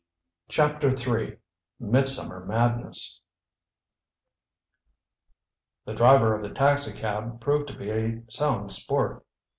CHAPTER III MIDSUMMER MADNESS The driver of the taxicab proved to be a sound sport.